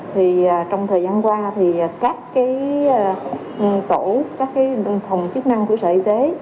thì trong thời gian qua thì các cái tổ các cái phòng chức năng của sở y tế